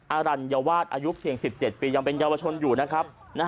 อรัญวาสอายุเพียง๑๗ปียังเป็นเยาวชนอยู่นะครับ